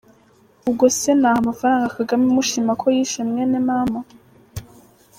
Ubwo se naha amafaranga Kagame mushima ko yishe mwenemama?